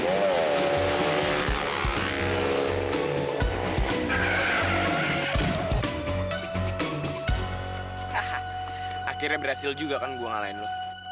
haha akhirnya berhasil juga kan gue ngalahin lo